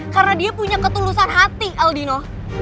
karena dia punya ketulusan hati aldino